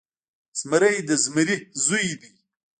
زمری د زمري زوی دی.